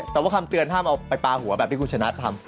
แต่ว่าคำเตือนห้ามเอาไปปลาหัวแบบที่คุณชนะทำ